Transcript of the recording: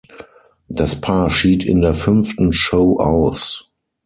Das Paar schied in der fünften Show aus.